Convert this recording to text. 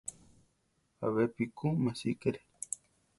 Abepi ku másikere.